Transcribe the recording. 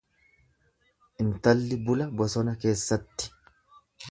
Intalli bula bosona keessatti.